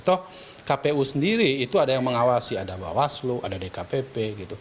toh kpu sendiri itu ada yang mengawasi ada bawaslu ada dkpp gitu